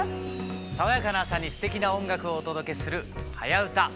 爽やかな朝にすてきな音楽をお届けする「はやウタ」